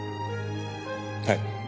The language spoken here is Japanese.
はい。